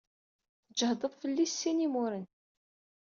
Tǧehdeḍ fell-i s sin imuren.